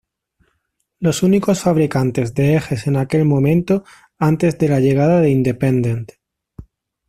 Los únicos fabricantes de ejes en aquel momento antes de la llegada de Independent.